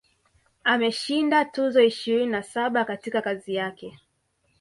Ameshinda tuzo ishirini na saba katika kazi yake